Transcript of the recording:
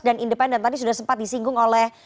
dan independen tadi sudah sempat disinggung oleh